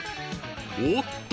おっと！